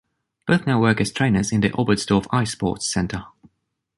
Both now works as trainers in the Oberstdorf ice sports center.